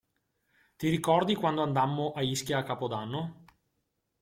Ti ricordi quando andammo a Ischia a Capodanno?